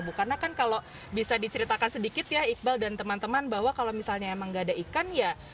bu karena kan kalau bisa diceritakan sedikit ya iqbal dan teman teman bahwa kalau misalnya emang gak ada ikan ya